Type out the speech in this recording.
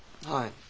はい。